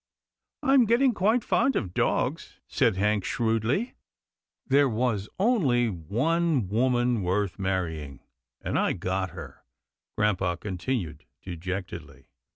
" I'm getting quite fond of dogs," said Hank shrewdly. " There was only one woman worth marrying, and I got her," grampa continued dejectedly.